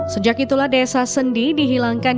sejak itulah desa sendi dihilangkan